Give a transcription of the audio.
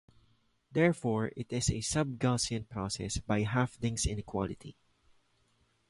Therefore it is a sub-Gaussian process by Hoeffding's inequality.